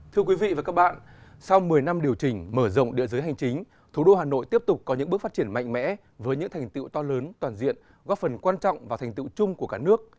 thưa quý vị và các bạn sau một mươi năm điều chỉnh mở rộng địa giới hành chính thủ đô hà nội tiếp tục có những bước phát triển mạnh mẽ với những thành tiệu to lớn toàn diện góp phần quan trọng vào thành tựu chung của cả nước